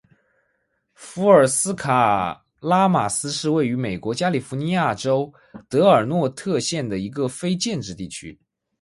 福尔斯卡拉马斯是位于美国加利福尼亚州德尔诺特县的一个非建制地区。